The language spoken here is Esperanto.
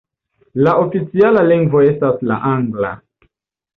La oficiala lingvo estas la angla.